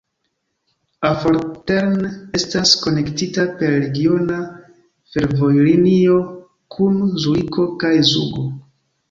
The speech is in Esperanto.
Affoltern estas konektita per regiona fervojlinio kun Zuriko kaj Zugo.